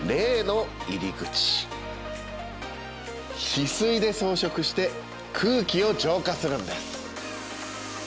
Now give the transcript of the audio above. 翡翠で装飾して空気を浄化するんです。